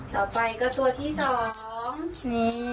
ต่อไปก็ตัวที่สองนี่